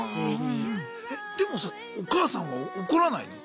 えでもさお母さんは怒らないの？